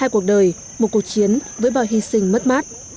hai cuộc đời một cuộc chiến với bao hy sinh mất mát